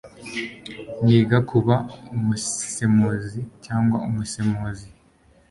Niga kuba umusemuzi cyangwa umusemuzi.